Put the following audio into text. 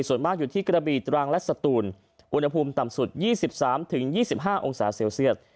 ส่วนมากอยู่ที่กระบีตรังและสตูนอุณหภูมิต่ำสุด๒๓๒๕องศาเซลเซียต